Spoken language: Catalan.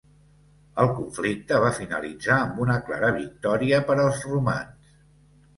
El conflicte va finalitzar amb una clara victòria per als romans.